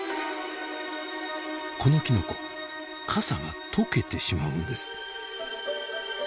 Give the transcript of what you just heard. このきのこ傘が溶けてしまうんです。